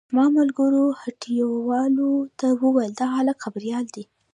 زما ملګرو هټيوالو ته وويل دا هلک خبريال دی.